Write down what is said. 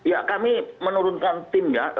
ya kami menurunkan tim ya